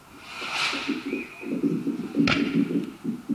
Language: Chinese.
布莱切利四人组是一部电视英国推理迷你电视剧。